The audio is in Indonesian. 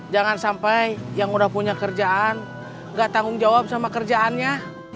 jangan sampai yang udah punya kerjaan gak tanggung jawab sama kerjaannya